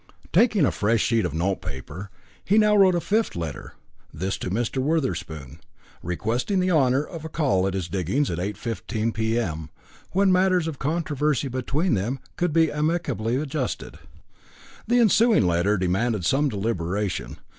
Taking a fresh sheet of notepaper, he now wrote a fifth letter, this to Mr. Wotherspoon, requesting the honour of a call at his "diggings" at 8.15 p.m., when matters of controversy between them could be amicably adjusted. The ensuing letter demanded some deliberation.